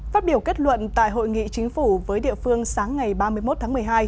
phát biểu kết luận tại hội nghị chính phủ với địa phương sáng ngày ba mươi một tháng một mươi hai